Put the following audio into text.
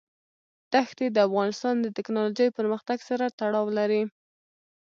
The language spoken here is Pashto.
دښتې د افغانستان د تکنالوژۍ پرمختګ سره تړاو لري.